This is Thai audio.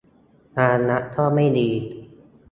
นานนักก็ไม่ดี